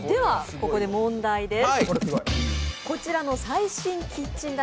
ここで問題です。